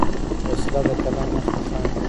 وسله د قلم مخ ته خنډ ده